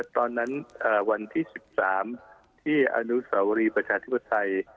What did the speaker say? ตอนนั้นวันที่๑๓ที่อนุสาวรีประชาธิปไทย